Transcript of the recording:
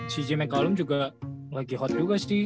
si j mekalum juga lagi hot juga sih